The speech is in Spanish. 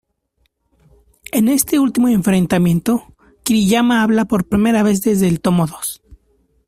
En este último enfrentamiento, Kiriyama habla por primera vez desde el tomo dos.